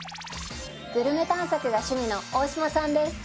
グルメ探索が趣味の大島さんです。